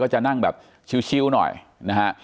จะนั่งแบบชิวหน่อยนะฮะ